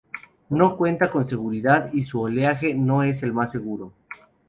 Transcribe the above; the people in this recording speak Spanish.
No cuenta con seguridad y su oleaje no es el más seguro.